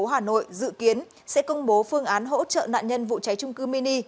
ủy ban mặt trận tổ quốc việt nam tp hà nội dự kiến sẽ công bố phương án hỗ trợ nạn nhân vụ cháy trung cư mini